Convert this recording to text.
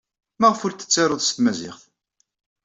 Maɣef ur t-tettarud s tmaziɣt?